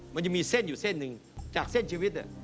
มันยังมีเส้นอยู่เส้นหนึ่งจากเส้นชีวิต